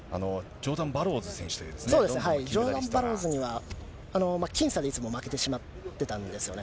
ジョーダン・バローズには、僅差でいつも負けてしまってたんですね。